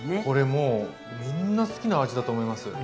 これもうみんな好きな味だと思います。